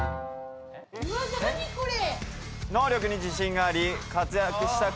うわ何これ？